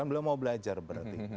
beliau mau belajar berarti